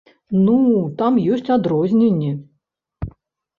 Ну, там ёсць адрозненні.